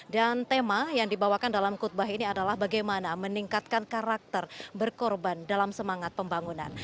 dan tema yang dibawakan dalam khutbah ini adalah bagaimana meningkatkan karakter berkorban dalam semangat pembangunan